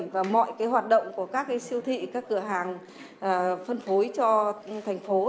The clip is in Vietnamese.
và mọi hoạt động của các siêu thị các cửa hàng phân phối cho thành phố